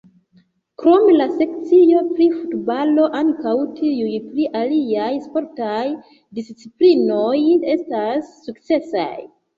Krom la sekcio pri futbalo, ankaŭ tiuj pri aliaj sportaj disciplinoj estas sukcesaj.